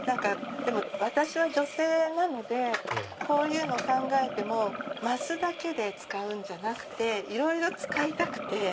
私は女性なのでこういうの考えても升だけで使うんじゃなくていろいろ使いたくて。